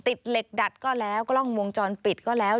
ติดเหล็กดัดก็แล้วกล้องวงจรปิดก็แล้ว